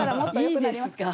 いいですか？